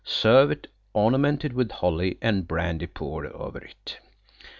Serve it ornamented with holly and brandy poured over it.'"